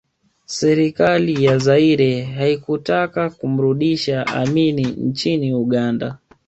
Serikali ya Zaire haikutaka kumrudisha Amin nchini Uganda